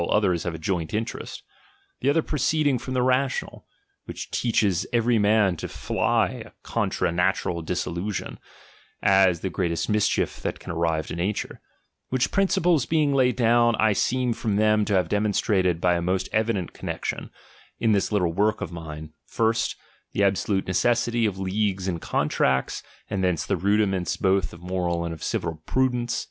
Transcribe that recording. others have a joint in terest; the other proceeding from the rational, which teaches every man to fly a contra natural dissolution, as the greatest mischief that can arrive ;to nature : which principles being laid down, I "«eem from them to have demonstrated by a most evident connexion, in this little work of mine, first, the absolute necessity of leagues and con tracts, and thence the rudiments both of moral and of civil prudence.